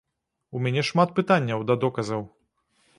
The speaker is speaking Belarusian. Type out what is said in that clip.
У мяне шмат пытанняў да доказаў.